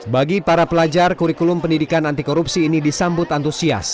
bagi para pelajar kurikulum pendidikan anti korupsi ini disambut antusias